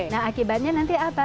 nah akibatnya nanti apa